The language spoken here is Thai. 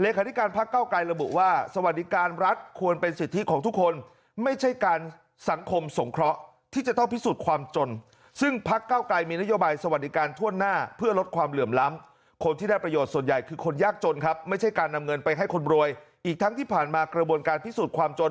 เลขาธิการพักเก้าไกรระบุว่าสวัสดิการรัฐควรเป็นสิทธิของทุกคนไม่ใช่การสังคมสงเคราะห์ที่จะต้องพิสูจน์ความจนซึ่งพักเก้าไกรมีนโยบายสวัสดิการทั่วหน้าเพื่อลดความเหลื่อมล้ำคนที่ได้ประโยชน์ส่วนใหญ่คือคนยากจนครับไม่ใช่การนำเงินไปให้คนรวยอีกทั้งที่ผ่านมากระบวนการพิสูจน์ความจน